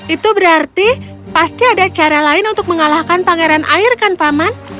itu berarti pasti ada cara lain untuk mengalahkan pangeran air kan paman